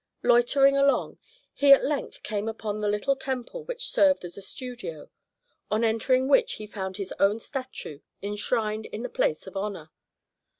Loitering along, he at length came upon the little temple which served as a studio, on entering which, he found his own statue enshrined in the place of honor.